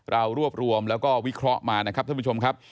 เรารวบรวมแล้วก็วิเคราะห์มานะครับท่านผู้ชมครับ